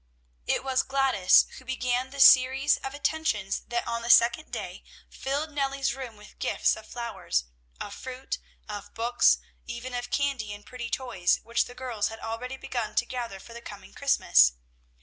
It was Gladys who began the series of attentions that on the second day filled Nellie's room with gifts of flowers, of fruit, of books, even of candy and pretty toys, which the girls had already begun to gather for the coming Christmas.